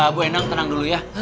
bu endang tenang dulu ya